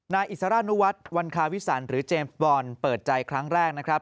อิสรานุวัฒน์วันคาวิสันหรือเจมส์บอลเปิดใจครั้งแรกนะครับ